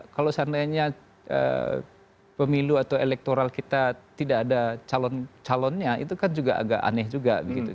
kalau seandainya pemilu atau elektoral kita tidak ada calon calonnya itu kan juga agak aneh juga